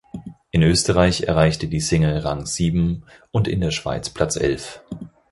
In Österreich erreichte die Single Rang sieben und in der Schweiz Platz elf.